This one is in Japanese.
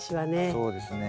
そうですね。